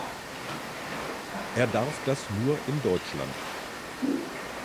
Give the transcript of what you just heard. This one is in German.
Er darf das nur in Deutschland.